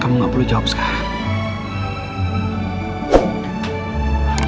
kamu gak perlu jawab sekarang